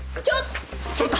ちょっ。